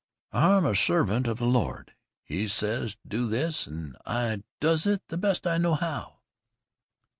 "I'm a servant of the Lord. He says do this, an' I does it the best I know how.